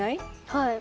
はい。